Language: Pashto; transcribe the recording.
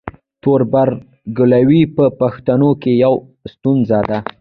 تربورګلوي په پښتنو کې یوه ستونزه ده.